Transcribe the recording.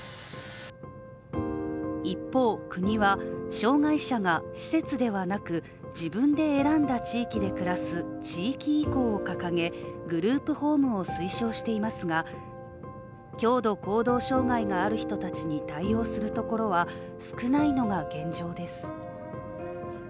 一方、国は障害者が施設ではなく、自分で選んだ地域で暮らす地域移行を掲げ、グループホームを推奨していますが強度行動障害がある人たちに対応するところは少ないのが現状です。